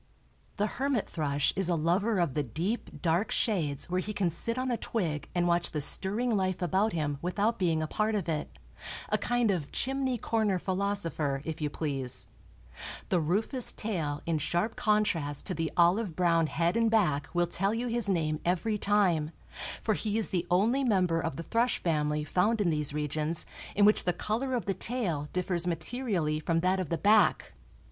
The hermit thrush is a lover of the deep, dark shades where he can sit on a twig and watch the stirring life about him without being a part of it—a kind of chimney corner philosopher, if you please. The rufous tail in sharp contrast to the olive brown head and back will tell you his name every time, for he is the only member of the thrush family found in these regions in which the color of the tail differs materially from that of the back.